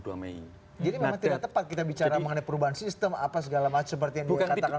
jadi memang tidak tepat kita bicara mengenai perubahan sistem apa segala macam seperti yang dikatakan